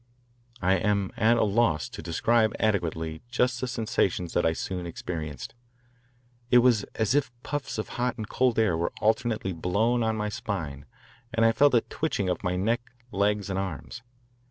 I am at a loss to describe adequately just the sensations that I soon experienced. It was as if puffs of hot and cold air were alternately blown on my spine, and I felt a twitching of my neck, legs, and arms.